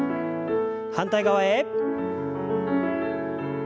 反対側へ。